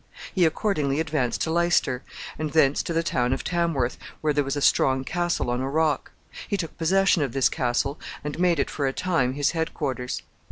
He accordingly advanced to Leicester, and thence to the town of Tamworth, where there was a strong castle on a rock. He took possession of this castle, and made it, for a time, his head quarters.